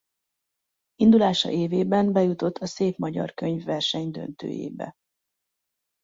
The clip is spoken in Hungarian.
Indulása évében bejutott a Szép Magyar Könyv verseny döntőjébe.